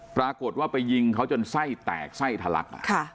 ปรากฏว่าไปยิงเขาจนไส้แตกไส้ทะลัก